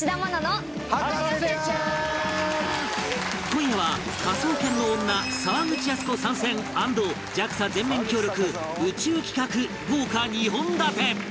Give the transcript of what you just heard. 今夜は『科捜研の女』沢口靖子参戦アンド ＪＡＸＡ 全面協力宇宙企画豪華２本立て！